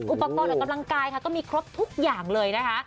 อุปกรณ์ออกกำลังกายค่ะก็มีครบทุกอย่างเลยนะคะ